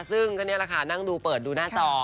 ซึ่งก็นี่แหละค่ะนั่งดูเปิดดูหน้าจอ